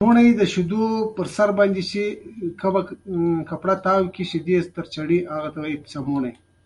دا عادت ورو ورو په مینه واوښت.